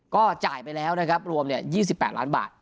ก็จ่ายไปแล้วนะครับรวม๒๘ล้านบาท